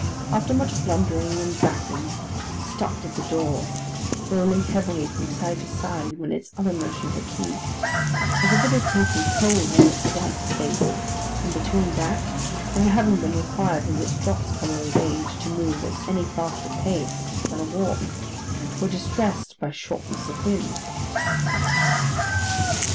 After much blundering and backing, it stopped at the door: rolling heavily from side to side when its other motion had ceased, as if it had taken cold in its damp stable, and between that, and the having been required in its dropsical old age to move at any faster pace than a walk, were distressed by shortness of wind.